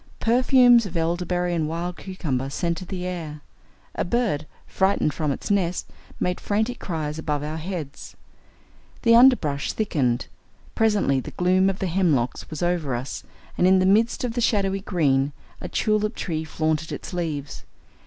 Perfumes of elderberry and wild cucumber scented the air. A bird, frightened from its nest, made frantic cries above our heads. The underbrush thickened. Presently the gloom of the hemlocks was over us, and in the midst of the shadowy green a tulip tree flaunted its leaves.